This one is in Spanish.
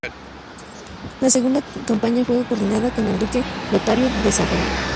La segunda campaña fue coordinada con el duque Lotario de Sajonia.